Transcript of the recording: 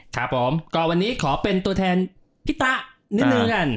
ครับผมก็วันนี้ขอเป็นตัวแทนพี่ตะนิดนึงกัน